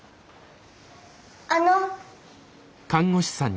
あの。